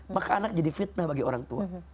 maka anak jadi fitnah bagi orang tua